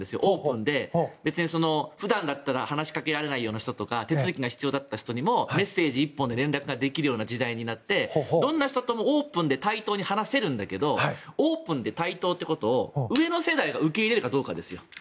オープンで普段だったら話しかけられないような人とか手続きが必要だった人にもメッセージ１本で連絡ができるような時代になってどんな人ともオープンで対等に話せるんだけどオープンで対等ということを上の世代が受け入れるかどうかですよ。